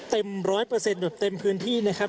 เต็มร้อยเปอร์เซ็นต์แบบเต็มพื้นที่นะครับ